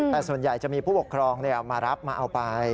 แต่ส่วนใหญ่จะมีผู้ปกครองมารับมาเอาไป